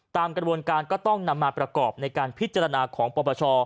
ตามกระบวนการก็ต้องนำมาประกอบในการพิจารณาของปปช